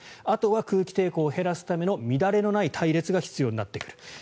あとは空気抵抗を減らすための乱れのない隊列が必要になってくる。